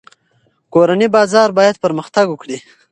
کورني بازار باید پرمختګ وکړي.